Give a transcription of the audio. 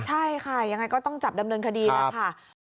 ใช่ค่ะยังไงก็ต้องจับดำเนินคดีแล้วค่ะ